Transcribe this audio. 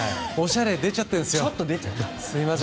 おしゃれ出ちゃってるんです。